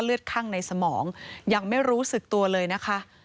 อยู่บนโลกนี้แล้วค่ะ